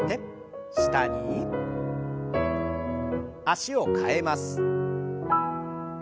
脚を替えます。